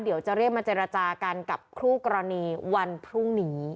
เดี๋ยวจะเรียกมาเจรจากันกับคู่กรณีวันพรุ่งนี้